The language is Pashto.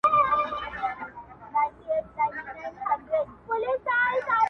نور خلگ پيسې گټي، پښتانه کيسې گټي.